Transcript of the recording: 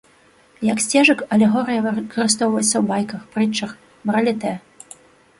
Як сцежак алегорыя выкарыстоўваецца ў байка, прытчах, маралітэ.